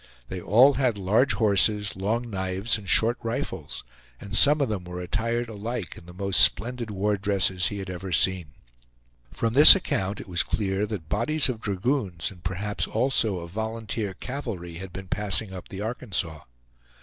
They all had large horses, long knives, and short rifles, and some of them were attired alike in the most splendid war dresses he had ever seen. From this account it was clear that bodies of dragoons and perhaps also of volunteer cavalry had been passing up the Arkansas.